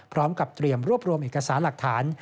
พร้อมกับเตรียมรวบรวมเอกสารหลักฐาน